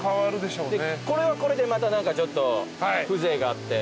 でこれはこれでまた何かちょっと風情があって。